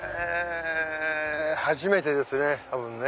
初めてですね多分ね。